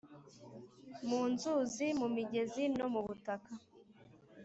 mu nzuzi, mu migezi, no mubutaka,